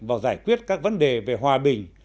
và giải quyết các vấn đề về hòa bình